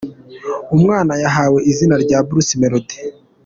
Umwana yahawe izina rya Bruce Melody.